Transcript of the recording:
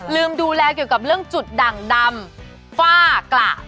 ดูแลเกี่ยวกับเรื่องจุดดั่งดำฝ้ากระ